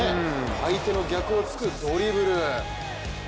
相手の逆をつくドリブル。